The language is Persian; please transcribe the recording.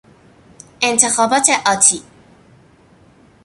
انتخابات آتی